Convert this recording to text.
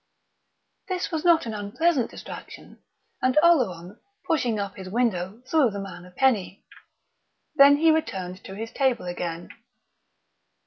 This was a not unpleasant distraction, and Oleron, pushing up his window, threw the man a penny. Then he returned to his table again....